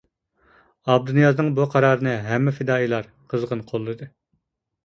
ئابدۇنىيازنىڭ بۇ قارارىنى ھەممە پىدائىيلار قىزغىن قوللىدى.